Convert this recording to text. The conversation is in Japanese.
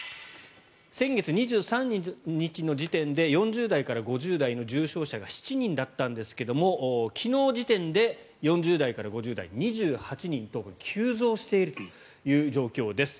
先月２３日の時点で４０代から５０代の重症者が７人だったんですが昨日時点で４０代から５０代、２８人と急増しているという状況です。